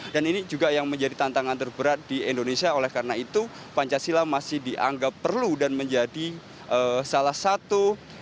dan ini juga yang menjadi tantangan terberat di indonesia oleh karena itu pancasila masih dianggap perlu dan menjadi salah satu